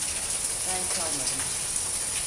Ben çalmadım.